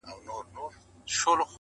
وارخطا ژبه یې وچه سوه په خوله کي-